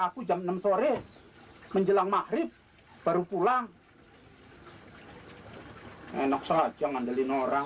aku jam enam sore menjelang maghrib baru pulang enak saja ngandelin orang